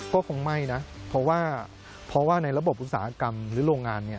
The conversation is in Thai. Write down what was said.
ก็คงไม่นะเพราะว่าในระบบอุตสาหกรรมหรือโรงงาน